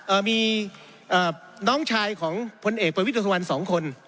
อ่ามีอ่าน้องชายของพลเอกเปิดวิทย์ละทวันสองคน